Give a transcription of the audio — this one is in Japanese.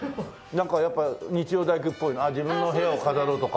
なんかやっぱ日曜大工っぽいな自分の部屋を飾ろうとか。